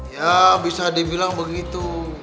ya bisa dibilang begitu